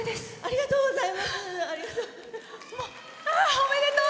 おめでとう！